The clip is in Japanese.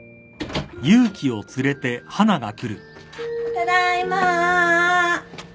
ただいま。